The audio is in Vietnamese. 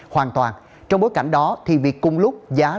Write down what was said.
hoàn toàn trong bối cảnh đó thì việc cung lúc giá logistic tăng